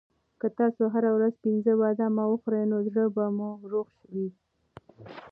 که تاسو هره ورځ پنځه بادام وخورئ نو زړه به مو روغ وي.